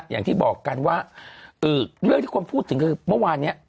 อย่างที่บอกกันว่าเรื่องที่คนพูดถึงคือเมื่อวานนี้